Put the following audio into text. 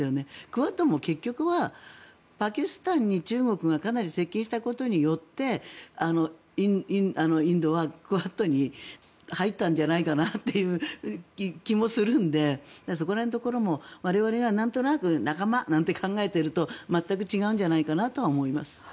クアッドも結局はパキスタンに中国がかなり接近したことによってインドはクアッドに入ったんじゃないかなという気もするのでそこら辺のところも我々がなんとなく仲間なんて考えていると全く違うんじゃないかなとは思います。